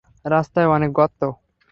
রাস্তায় অনেক গর্ত।